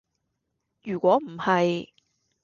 如果唔係